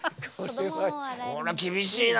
それは厳しいな。